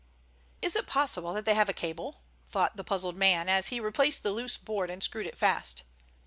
"Is it possible that they have a cable?" thought the puzzled man, as he replaced the loose board and screwed it fast.